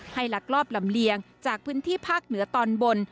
ลักลอบลำเลียงจากพื้นที่ภาคเหนือตอนบน